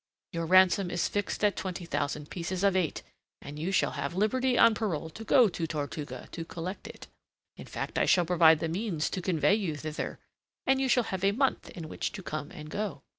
Your ransom is fixed at twenty thousand pieces of eight, and you shall have liberty on parole to go to Tortuga to collect it. In fact, I shall provide the means to convey you thither, and you shall have a month in which to come and go.